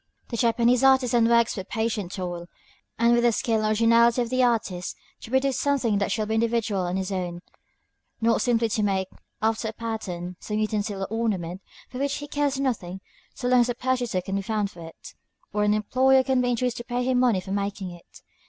The Japanese artisan works with patient toil, and with the skill and originality of the artist, to produce something that shall be individual and his own; not simply to make, after a pattern, some utensil or ornament for which he cares nothing, so long as a purchaser can be found for it, or an employer can be induced to pay him money for making it.